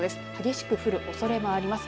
激しく降るおそれもあります。